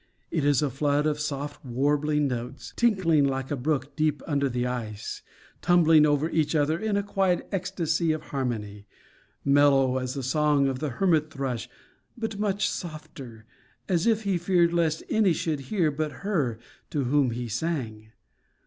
It is a flood of soft warbling notes, tinkling like a brook deep under the ice, tumbling over each other in a quiet ecstasy of harmony; mellow as the song of the hermit thrush, but much softer, as if he feared lest any should hear but her to whom he sang.